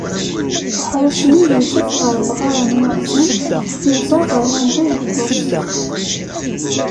Uḥric-nni yudef ɣer lɣar n waɣzen, yuẓa ɣer wanda yeṭṭes.